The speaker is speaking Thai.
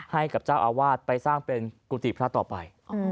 ให้กับเจ้าอาวาสไปสร้างเป็นกุฏิพระต่อไป